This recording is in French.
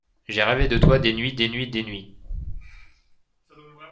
J’ai rêvé de toi des nuits, des nuits, des nuits!